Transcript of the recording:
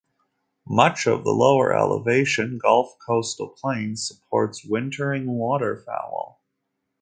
Much of the lower elevation Gulf Coastal Plain supports wintering waterfowl.